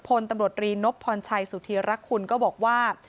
พลตำรวจรีนพพรชัยสุธีรักคุณก็บอกว่า